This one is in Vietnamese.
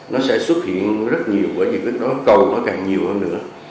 nó sẽ xuất hiện rất nhiều bởi vì cái đó cầu nó càng nhiều hơn nữa